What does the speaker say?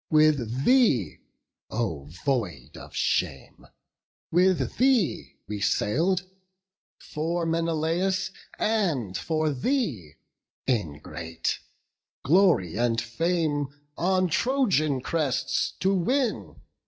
With thee, O void of shame! with thee we sail'd, For Menelaus and for thee, ingrate, Glory and fame on Trojan crests to win.